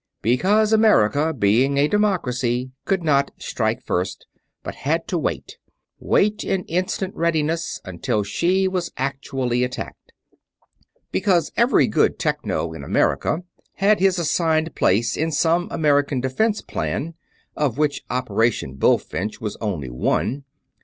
Because America, being a democracy, could not strike first, but had to wait wait in instant readiness until she was actually attacked. Because every good Techno in America had his assigned place in some American Defense Plan; of which Operation Bullfinch was only one.